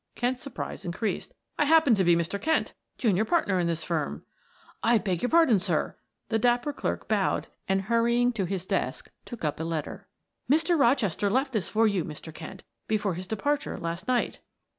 Kent's surprise increased. "I happen to be Mr. Kent, junior partner in this firm." "I beg your pardon, sir." The dapper clerk bowed and hurrying to his desk took up a letter. "Mr. Rochester left this for you, Mr. Kent, before his departure last night."